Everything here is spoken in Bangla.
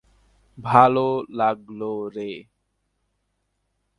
ভালো লাগলো রে।